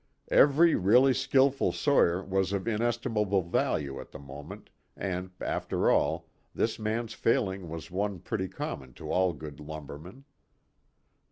Every really skilful sawyer was of inestimable value at the moment, and, after all, this man's failing was one pretty common to all good lumbermen.